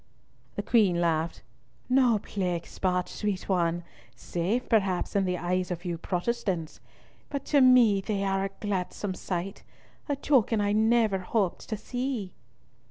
The Queen laughed. "No plague spot, sweet one, save, perhaps, in the eyes of you Protestants, but to me they are a gladsome sight—a token I never hoped to see."